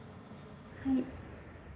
はい。